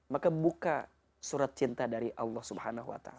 maka buka surat cinta dari allah subhanahu wa ta'ala